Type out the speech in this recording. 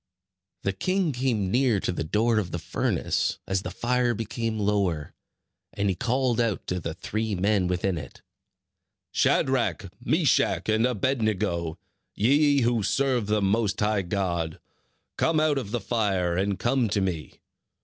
The king came near to the door of the furnace, as the fire became lower; and he called out to the three men within it: "Shadrach, Meshach, and Abed nego, ye who serve the Most High God, come out of the fire, and come to me."